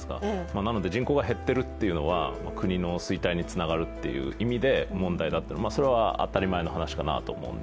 なので人口が減っているというのは国の衰退につながるという意味で問題だと、それは当たり前の話かなと思うんです。